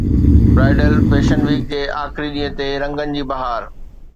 bridal fashion week جي آخري ڏينهن تي رنگن جي بهار